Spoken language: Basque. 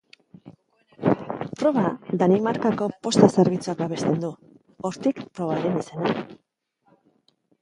Proba Danimarkako Posta Zerbitzuak babesten du, hortik probaren izena.